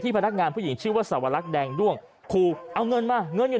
พนักงานผู้หญิงชื่อว่าสวรรคแดงด้วงคูเอาเงินมาเงินอยู่